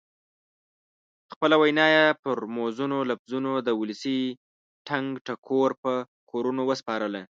خپله وینا یې پر موزونو لفظونو د ولسي ټنګ ټکور په کورونو وسپارله.